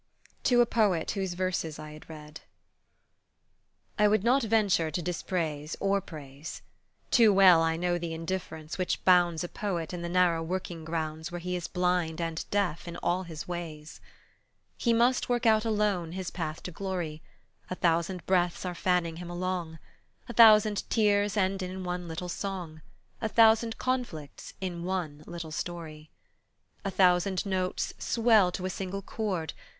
TO A POET WHOSE VERSES I HAD READ I WOULD not venture to dispraise or praise. Too well I know the indifference which bounds A poet in the narrow working grounds Where he is blind and deaf in all his ways. He must work out alone his path to glory; A thousand breaths are fanning him along; A thousand tears end in one little song, A thousand conflicts in one little story; A thousand notes swell to a single chord.